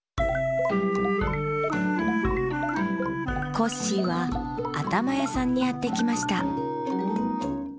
コッシーは「あたまやさん」にやってきました